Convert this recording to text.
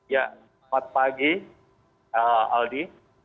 ya selamat pagi aldi